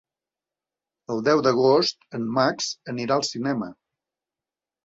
El deu d'agost en Max anirà al cinema.